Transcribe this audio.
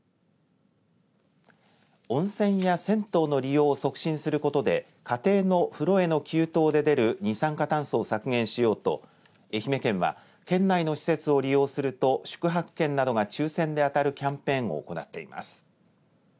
温泉や銭湯の利用を促進することで家庭の風呂への給湯で出る二酸化炭素を削減しようと愛媛県は県内の施設を利用すると宿泊券などが抽せんで当たるキャンペーンを行っています。